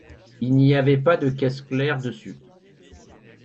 Il n’y avait pas de caisse claire dessus.